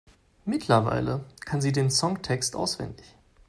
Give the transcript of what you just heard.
Mittlerweile kann sie den Songtext auswendig.